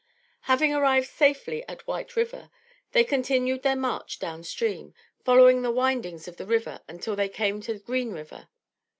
Having arrived safely at White River, they continued their march down stream, following the windings of the river until they came to Green River.